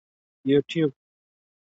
یوټیوب